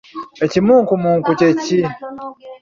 Ekimunkumunku kye ki?